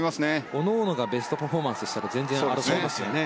おのおのがベストパフォーマンスしたら全然ありますからね。